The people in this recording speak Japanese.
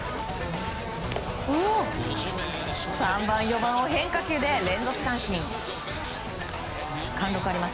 ３番、４番を変化球で連続三振。